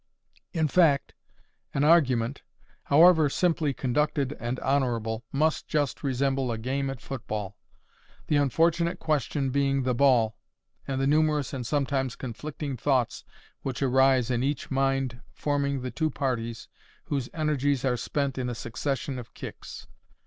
In fact, an argument, however simply conducted and honourable, must just resemble a game at football; the unfortunate question being the ball, and the numerous and sometimes conflicting thoughts which arise in each mind forming the two parties whose energies are spent in a succession of kicks.